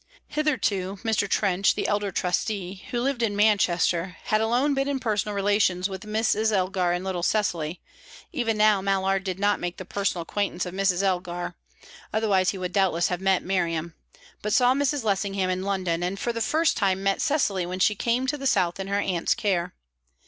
Hitherto, Mr. Trench, the elder trustee, who lived in Manchester, had alone been in personal relations with Mrs. Elgar and little Cecily; even now Mallard did not make the personal acquaintance of Mrs. Elgar (otherwise he would doubtless have met Miriam), but saw Mrs. Lessingham in London, and for the first time met Cecily when she came to the south in her aunt's care.